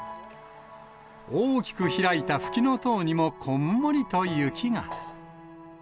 大きく開いたふきのとうにも、こんもりと雪が。